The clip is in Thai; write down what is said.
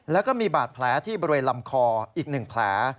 แล้วก็มีบาดแผลที่บริเวณลำคออีก๑แผล